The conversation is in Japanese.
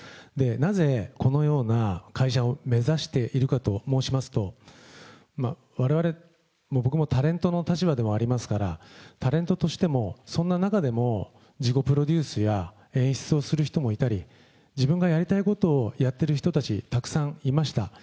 なぜこのような会社を目指しているかと申しますと、われわれ、僕もタレントの立場でもありますから、タレントとしても、そんな中でも、自己プロデュースや演出をする人もいたり、自分がやりたいことをやっている人たち、たくさんいました。